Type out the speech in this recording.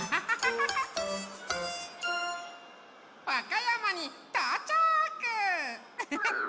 わかやまにとうちゃく！